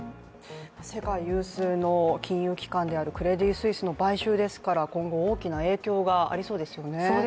世界有数の金融機関であるクレディ・スイスの買収は今後大きな影響がありそうですよね。